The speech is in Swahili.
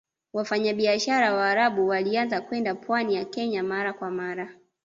Wafanyabiashara Waarabu walianza kwenda pwani ya Kenya mara kwa mara